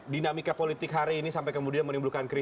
dinamika politik hari ini sampai kemudian menimbulkan kritis